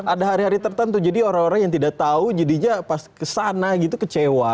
ada hari hari tertentu jadi orang orang yang tidak tahu jadinya pas kesana gitu kecewa